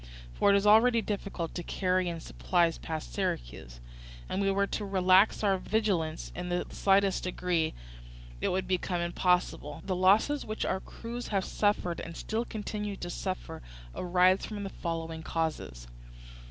For it is already difficult to carry in supplies past Syracuse; and were we to relax our vigilance in the slightest degree it would become impossible. The losses which our crews have suffered and still continue to suffer arise from the following causes.